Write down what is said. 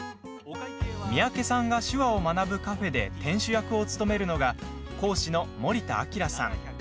三宅さんが手話を学ぶカフェで店主役を務めるのが講師の森田明さん。